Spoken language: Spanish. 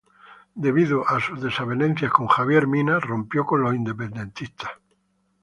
Debido a sus desavenencias con Xavier Mina rompió con los independentistas.